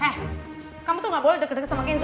hah kamu tuh gak boleh deg deg sama kenzo